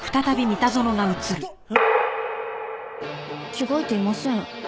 着替えていません。